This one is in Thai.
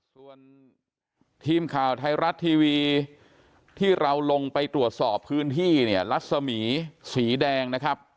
ส่วนทีมข่าวไทยรัฐทีวีที่เราลงไปตรวจสอบพื้นที่เนี่ยรัศมีสีแดงนะครับ